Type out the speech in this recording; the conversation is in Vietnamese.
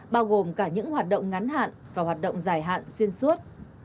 bao gồm cả những hoạt động ngắn hạn và hoạt động dài hạn xuyên suốt